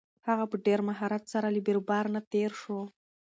هغه په ډېر مهارت سره له بېروبار نه تېر شو.